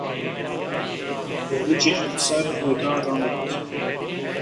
Dewıci emser hega ramıt.